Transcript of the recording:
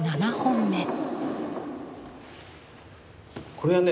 これはね